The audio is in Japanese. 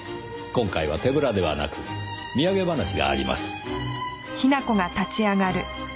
今回は手ぶらではなく土産話があります。